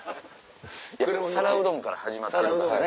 皿うどんから始まってるからね。